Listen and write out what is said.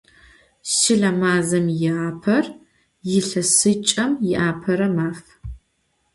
Şıle mazem yi aper – yilhesıç'em yiapere maf.